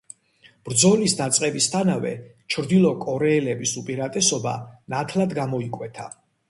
ბრძოლის დაწყებისთანავე, ჩრდილო კორეელების უპირატესობა ნათლად გამოიკვეთა.